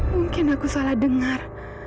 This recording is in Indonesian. mungkin aku salah dengar